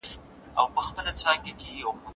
انا وویل چې زه باید خپل خوی د ماشوم لپاره بدل کړم.